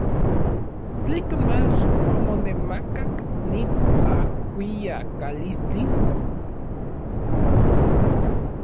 ¿Tlekan mach omonemakak nin ajuiakalistli.